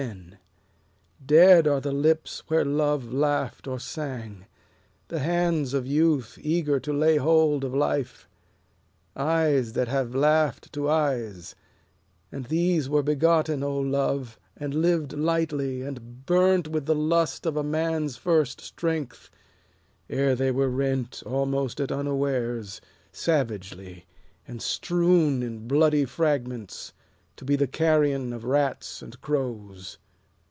POETS MILITANT 271 Dead are the lips where love laughed or sang, The hands of youth eager to lay hold of life, Eyes that have laughed to eyes, And these were begotten, O Love, and lived lightly, and burnt With the lust of a man's first strength : ere they were rent, Almost at unawares, savagely ; and strewn In bloody fragments, to be the carrion Of rats and crows.